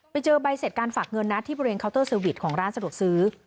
ไปเจอใบเสร็จการฝากเงินนะที่บริเวณเคาน์เตอร์เซอร์วิสของร้านสะดวกซื้อ